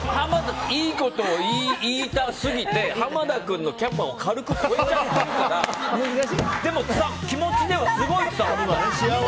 いいことを言いたすぎて濱田君のキャパを軽く超えちゃってるからでも、気持ちではすごい伝わった。